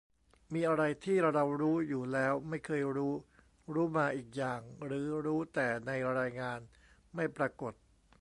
มีอะไรที่เรารู้อยู่แล้ว ไม่เคยรู้ รู้มาอีกอย่าง หรือรู้แต่ในรายงานไม่ปรากฏ